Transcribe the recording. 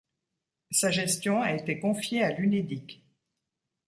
Sa gestion a été confiée à l'Unédic.